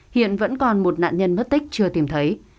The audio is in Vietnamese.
hiện vẫn còn một nạn nhân mất tích chưa tìm thấy